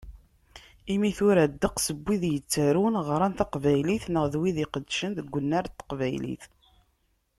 Imi tura ddeqs n wid yettarun, ɣran taqbaylit neɣ d wid iqeddcen deg unnar n teqbaylit